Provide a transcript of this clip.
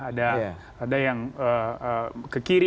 ada yang ke kiri